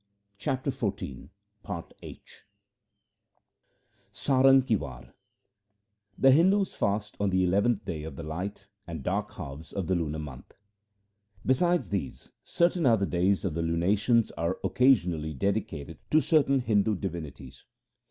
240 THE SIKH RELIGION Sarang ki War The Hindus fast on the eleventh day of the light and dark halves of the lunar month. Besides these certain other days of the lunations are occasionally dedicated to certain Hindu divinities.